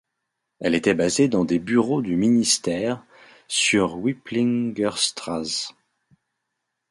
Elle était basés dans des bureaux du Ministère sur Wipplingerstrasse.